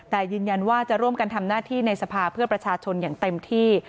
แต่ยืนยันว่าจะร่วมกันทำหน้าที่ในสภาเพื่อประชาชนอย่างเต็มที่